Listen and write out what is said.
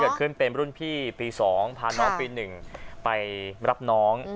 เกิดขึ้นเป็นรุ่นพี่ปี๒พาน้องปี๑ไปรับน้อง